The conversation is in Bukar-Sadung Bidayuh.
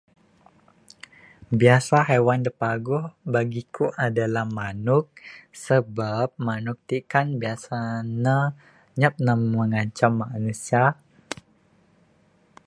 Biasa haiwan da paguh bagi ku adalah manuk. Sabab manuk ti kan biasa ne nyap ne ngancam manusia.